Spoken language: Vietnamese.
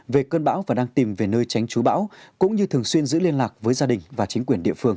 về cơn bão và đang tìm về nơi tránh chú bão cũng như thường xuyên giữ liên lạc với gia đình và chính quyền địa phương